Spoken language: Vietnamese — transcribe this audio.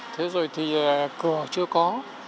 thế rồi thì cửa chưa có